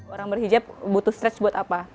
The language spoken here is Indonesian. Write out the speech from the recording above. orang berhijab butuh stretch buat apa